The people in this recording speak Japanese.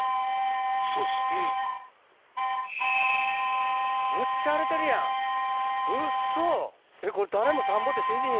そしてむっちゃ荒れてるやんウッソ！